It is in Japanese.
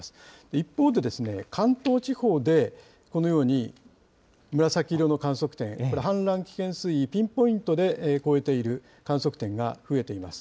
一方で、関東地方でこのように紫色の観測点、これ、氾濫危険水位、ピンポイントで超えている観測点が増えています。